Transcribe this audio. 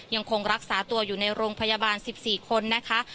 ยังคงรักษาตัวอยู่ในโรงพยาบาล๑๔คนนะคะ